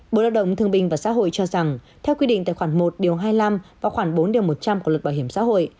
bộ lãi đồng thương bình và xã hội cho rằng theo quy định tài khoản một hai mươi năm và khoản bốn một trăm linh của luật bảo hiểm xã hội